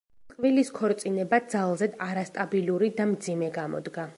წყვილის ქორწინება ძალზედ არასტაბილური და მძიმე გამოდგა.